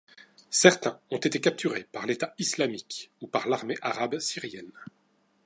Certains ont été capturés par l'état islamique ou par l'armée arabe syrienne.